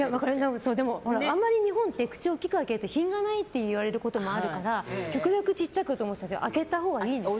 あまり日本って口を大きく開けると品がないって言われることもあるから極力、小さくしてるけど開けたほうがいいんですね。